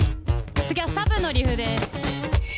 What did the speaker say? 次はサブのリフです。